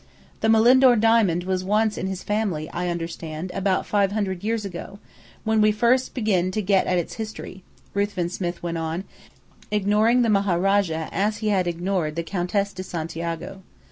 "The Malindore diamond was once in his family, I understand, about five hundred years ago, when we first begin to get at its history," Ruthven Smith went on, ignoring the Maharajah as he had ignored the Countess de Santiago.